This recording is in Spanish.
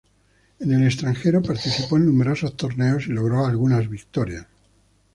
En el extranjero, participó en numerosos torneos, y logró algunas victorias.